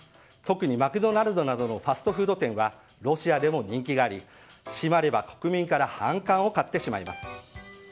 特にマクドナルドなどのファストフード店はロシアでも人気があり閉まれば国民から反感を買ってしまいます。